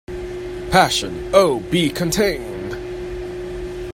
Passion, O, be contain'd!